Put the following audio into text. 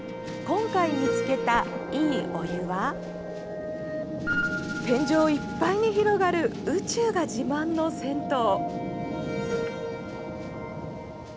今回見つけたいいお湯は天井いっぱいに広がる宇宙が自慢の銭湯。